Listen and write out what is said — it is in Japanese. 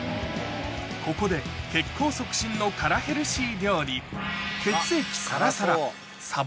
ここで血行促進の辛ヘルシー料理